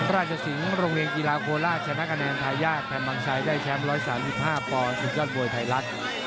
ราชสิงห์โรงเรียนกีฬาโคราชชนะคะแนนทายาทแพนมังชัยได้แชมป์๑๓๕ปอนด์สุดยอดมวยไทยรัฐ